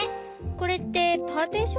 これってパーティション？